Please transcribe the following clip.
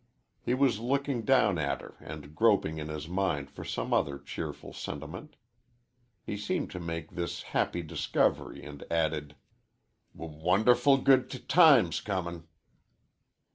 He was looking down at her and groping in his mind for some other cheerful sentiment. He seemed to make this happy discovery, and added, "W won derful good t times comin'."